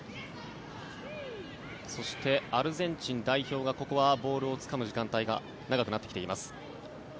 そして、アルゼンチン代表がここはボールをつかむ時間帯が長くなってきています。